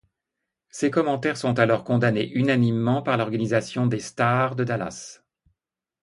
Ses commentaires sont alors condamnés unanimement par l'organisation des Stars de Dallas.